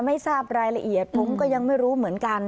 ไม่ทราบรายละเอียดผมก็ยังไม่รู้เหมือนกัน